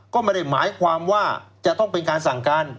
ก็ไม่ได้หมายความว่าจะต้องเป็นการสั่งการ